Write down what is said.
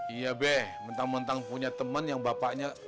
iya be mentang mentang punya temen yang bapaknya